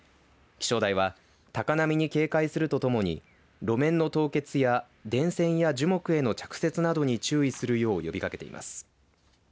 気象台は高波に警戒するとともに路面の凍結や電線や樹木への着雪などに注意するよう呼びかけています。